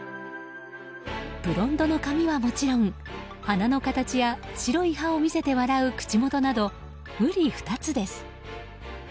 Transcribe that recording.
ブロンドの髪はもちろん鼻の形や白い歯を見せて笑う口元など、ふり二つです。